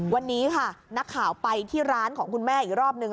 วันนี้ค่ะนักข่าวไปที่ร้านของคุณแม่อีกรอบนึง